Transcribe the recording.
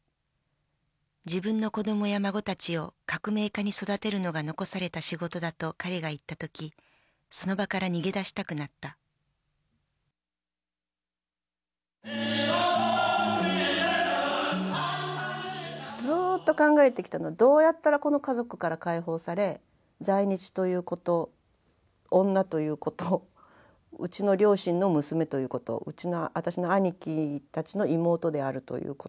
自分の子どもや孫たちを革命家に育てるのが残された仕事だと彼が言った時その場から逃げ出したくなったずっと考えてきたのはどうやったらこの家族から解放され在日ということ女ということうちの両親の娘ということうちの私の兄貴たちの妹であるということ。